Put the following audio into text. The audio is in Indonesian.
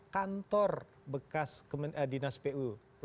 kantor bekas dinas pu